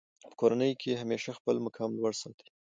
په کورنۍ کښي همېشه خپل مقام لوړ ساتئ!